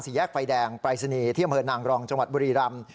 สี่แยกไฟแดงปรายศนีเที่ยมเผิดนางรองจังหวัดบุรีรัม